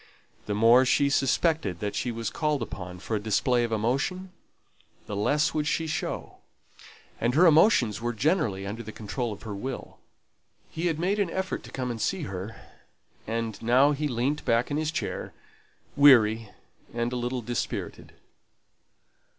The more she suspected that she was called upon for a display of emotion, the less would she show; and her emotions were generally under the control of her will. He had made an effort to come and see her; and now he leant back in his chair, weary and a little dispirited.